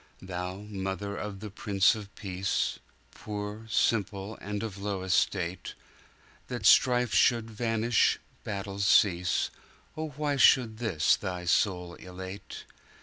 Thou mother of the Prince of Peace, Poor, simple, and of low estate, That strife should vanish, battle cease,O why should this thy soul elate?